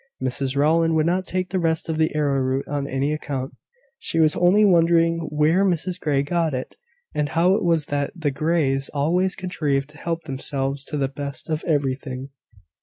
Mrs Rowland would not take the rest of the arrowroot on any account: she was only wondering where Mrs Grey got it, and how it was that the Greys always contrived to help themselves to the best of everything.